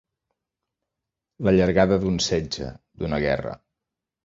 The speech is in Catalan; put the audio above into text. La llargada d'un setge, d'una guerra.